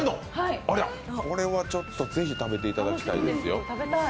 これはぜひ食べていただきたいですよ。